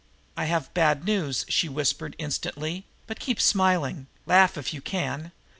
"I have bad news," she whispered instantly, "but keep smiling. Laugh if you can.